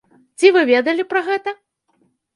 Ці вы ведалі пра гэта?